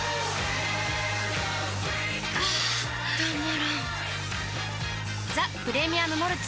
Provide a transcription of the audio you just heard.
あたまらんっ「ザ・プレミアム・モルツ」